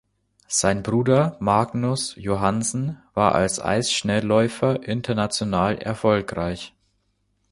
Sein Bruder Magnus Johansen war als Eisschnellläufer international erfolgreich.